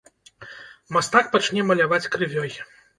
Мастак пачне маляваць крывёй.